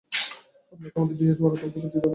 আপনাকে আমাদের বিয়ের বারাতে যোগ দিতে হবে।